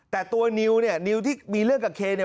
แต่ตัวนิวเนี่ยนิวที่มีเรื่องกับเคเนี่ย